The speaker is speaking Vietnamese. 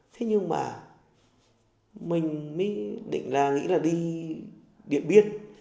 thế nhưng mà mình mới định là nghĩ là đi điện biên